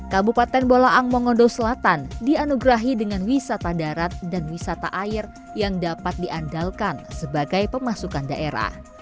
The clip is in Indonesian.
kabupaten bolaang mongodo selatan dianugerahi dengan wisata darat dan wisata air yang dapat diandalkan sebagai pemasukan daerah